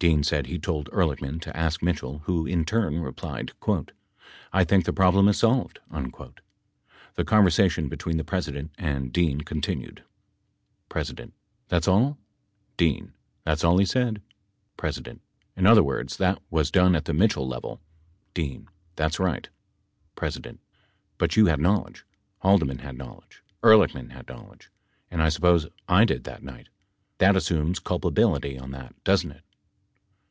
Dean said he told Ehrlichman to ask Mitchell who, in turn, replied, "I think the problem is solved." The conversation between the President and Dean continued : P. That's all? D. That's all he said. P. In other words, that was done at the Mitchell level ? D. That's right. P. But you had knowledge; Haldeman had knowledge; Ehrlichman had knowledge and I suppose I did that night. That assumes culpability on that, doesn't it?